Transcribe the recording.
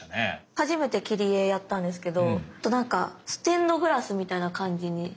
初めて切り絵やったんですけどなんかステンドグラスみたいな感じに。